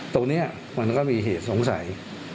ตรงนี้มันก็มีเหตุสงสัย